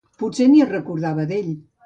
Potser ni es recordava d'ell.